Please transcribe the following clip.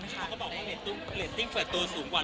ทีมงานก็บอกว่าเลนส์ติ้งเลนส์ติ้งฝัดตัวสูงกว่า